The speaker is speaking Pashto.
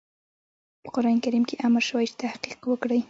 په قرآن کريم کې امر شوی چې تحقيق وکړئ.